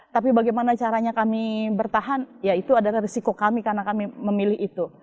tapi bagaimana caranya kami bertahan ya itu adalah risiko kami karena kami memilih itu